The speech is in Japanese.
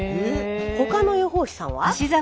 他の予報士さんは？